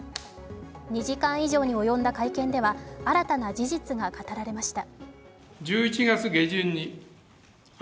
２時間以上に及んだ会見では新たな事実が語られました。